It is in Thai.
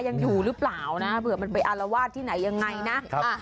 ยังอยู่หรือเปล่านะเผื่อมันไปอารวาสที่ไหนยังไงนะ